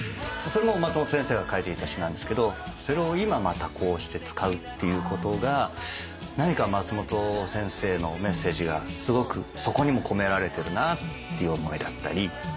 それも松本先生が書いていた詞なんですけどそれを今またこうして使うっていうことが何か松本先生のメッセージがすごくそこにも込められてるなっていう思いだったり。